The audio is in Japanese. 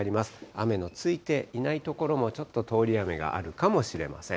雨のついていない所も、ちょっと通り雨があるかもしれません。